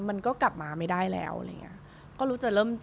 มันก็กลับมาไม่ได้แล้วอะไรอย่างนี้